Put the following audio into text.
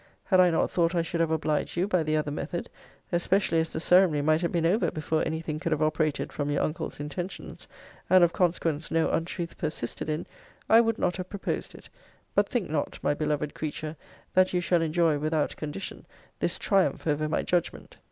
Had I not thought I should have obliged you by the other method, (especially as the ceremony might have been over before any thing could have operated from your uncle's intentions, and of consequence no untruth persisted in,) I would not have proposed it. But think not, my beloved creature, that you shall enjoy, without condition, this triumph over my judgment.